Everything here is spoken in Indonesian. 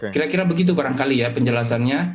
kira kira begitu barangkali ya penjelasannya